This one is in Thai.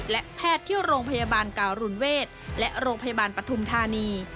และแพทย์ที่โรงพยาบาลการุณเวศและโรงพยาบาลปฐุมธานี